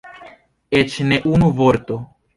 Eĉ ne unu vorto.